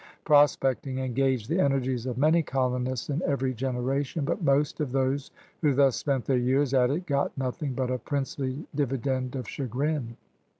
Prospecting engaged the energies of many colonists in every generation, but most of those who thus spent their years at it got nothing but a princely dividend of chagrin.